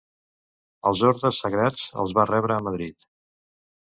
Els ordes sagrats els va rebre a Madrid.